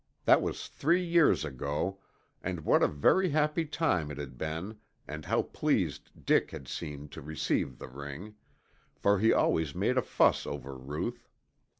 That was three years ago, and what a very happy time it had been and how pleased Dick had seemed to receive the ring, for he always made a fuss over Ruth.